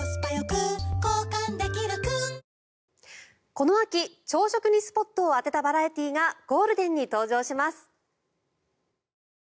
この秋朝食にスポットを当てたバラエティーがゴールデンに登場します。